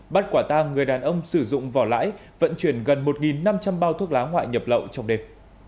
bắt quả tang người đàn ông sử dụng vỏ lãi vận chuyển gần một năm trăm linh bao thuốc lá ngoại nhập lậu trong đêm